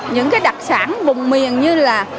những cái đặc sản vùng miền như là